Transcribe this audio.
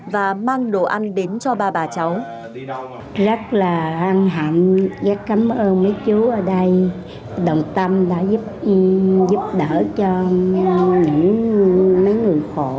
và mang đồ ăn đến cho ba bà cháu